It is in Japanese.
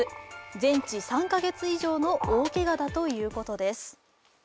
全治３か月以上の大けがだということです。